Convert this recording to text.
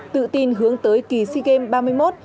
tự tin hướng tới kỳ sea games ba mươi một